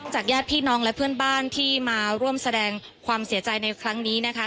ญาติพี่น้องและเพื่อนบ้านที่มาร่วมแสดงความเสียใจในครั้งนี้นะคะ